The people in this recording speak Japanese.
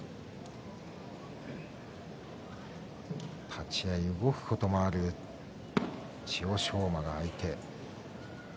立ち合い、動くこともある千代翔馬が相手。